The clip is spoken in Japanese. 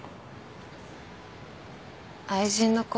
愛人の子